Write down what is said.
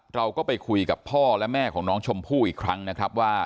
เราก็ไปคุยกับพ่อและแม่ของน้องชมพู่อีกครั้งนะครับว่า